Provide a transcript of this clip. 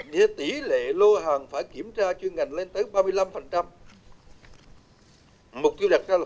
thế tỷ lệ lô hàng phải kiểm tra chuyên ngành lên tới ba mươi năm mục tiêu đặt ra là phải giảm còn một mươi năm nhưng một số bộ ngành chuyển biến còn rất chậm